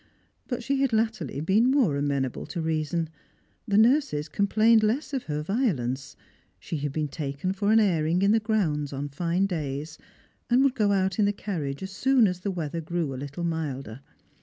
Bat she had latterly been more amenable to reason; the nurses complained less of her violence ; she had been taken for an airing m the grounds on fine days, and would go out in the carriage as soon as the weather grew a little milder.